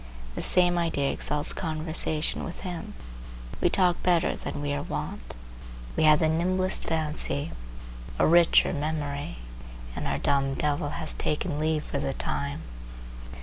The same idea exalts conversation with him. We talk better than we are wont. We have the nimblest fancy, a richer memory, and our dumb devil has taken leave for the time.